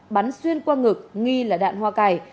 bắn xuyên qua ngực nghi là đạn hoa cải